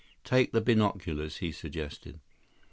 Take the binoculars," he suggested.